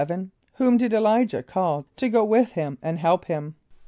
= Whom did [+E] l[=i]´jah call to go with him and help him?